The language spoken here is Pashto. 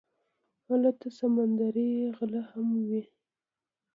هلته سمندري غله هم وي.